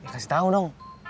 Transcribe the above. kasih tau dong